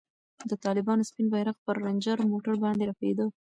د طالبانو سپین بیرغ پر رنجر موټر باندې رپېده.